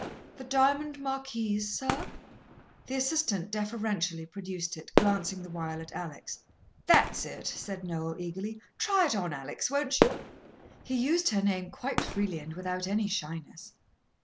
"The diamond marquise, sir?" The assistant deferentially produced it, glancing the while at Alex. "That's it," said Noel eagerly. "Try it on, Alex, won't you?" He used her name quite freely and without any shyness.